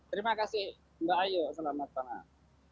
terima kasih mbak ayu selamat malam